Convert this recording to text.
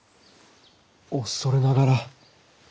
お恐れながら！